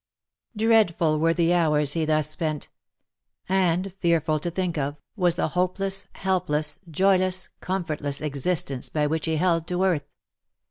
Dreadful were the hours he thus spent ! and, fearful to think of, was the hopeless, helpless, joyless, comfortless existence by which he held to earth